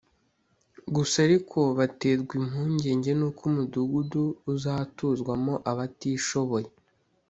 Gusa ariko baterwa impungenge n’uko umudugudu uzatuzwamo abatishoboye